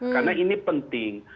karena ini penting